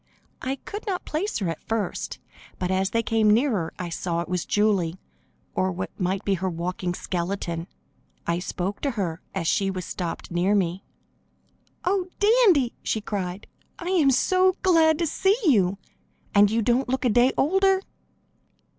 I could not place her at first, but as they came nearer I saw it was Julie, or what might be her walking skeleton. I spoke to her as she was stopped near me. "Oh, Dandy!" she cried. "I am glad to see you, and you don't look a day older!"